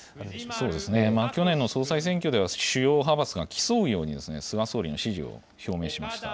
そうですね、去年の総裁選挙では、主要派閥が競うように、菅総理支持を表明しました。